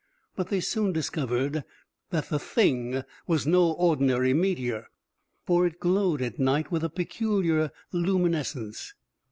But they soon discovered that the Thing was no ordinary meteor, for it glowed at night with a peculiar luminescence.